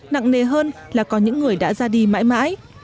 nặng nề hơn là có những người đã ra đi mãi mãi